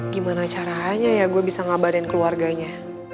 gimana caranya ya gue bisa ngabarin keluarganya